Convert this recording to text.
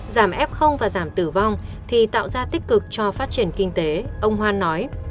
giảm f và giảm tử vong thì tạo ra tích cực cho phát triển kinh tế ông hoan nói